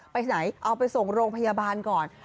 ไปไหนเอาไปส่งโรงพยาบาลก่อน